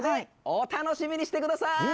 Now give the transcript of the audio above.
お楽しみにしてください！